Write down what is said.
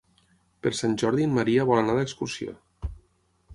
Per Sant Jordi en Maria vol anar d'excursió.